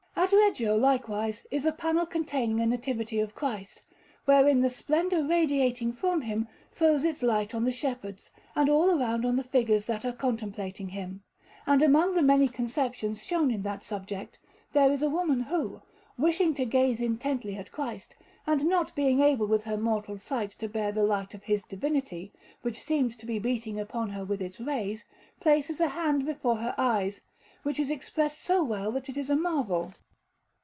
At Reggio, likewise, is a panel containing a Nativity of Christ, wherein the splendour radiating from Him throws its light on the shepherds and all around on the figures that are contemplating Him; and among the many conceptions shown in that subject, there is a woman who, wishing to gaze intently at Christ, and not being able with her mortal sight to bear the light of His Divinity, which seems to be beating upon her with its rays, places a hand before her eyes; which is expressed so well that it is a marvel.